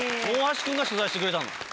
大橋君が取材してくれたの？